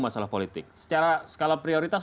masalah politik secara skala prioritas